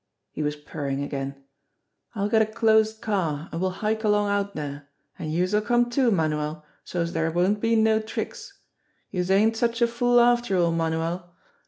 He was purring again. "I'll get a closed car, an' we'll hike along out dere, an' youse'll come too, Manuel, so's dere won't be no tricks. Youse ain't such a fool after all, Manuel